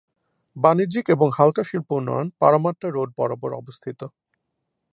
বাণিজ্যিক এবং হালকা শিল্প উন্নয়ন পারামাট্টা রোড বরাবর অবস্থিত।